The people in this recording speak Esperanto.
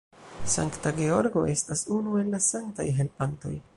Sankta Georgo estas unu el la sanktaj helpantoj.